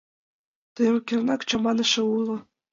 Тыйым кернак чаманыше уло...